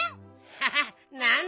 ハハッなんだ